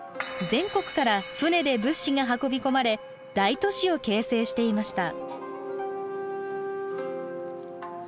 全国から船で物資が運び込まれ大都市を形成していました。